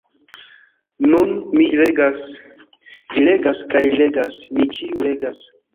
Nun mi legas, vi legas kaj li legas; ni ĉiuj legas.